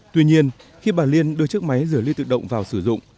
tuy nhiên khi bà liên đưa chiếc máy rửa ly tự động vào sử dụng